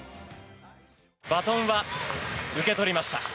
バトンは受け取りました。